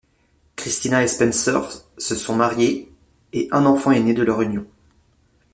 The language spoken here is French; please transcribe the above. Cristina et Spencer se sont mariés et un enfant est né de leur union.